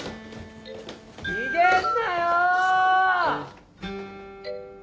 ・逃げんなよ！